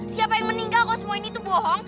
siapa yang meninggal kok semua ini tuh bohong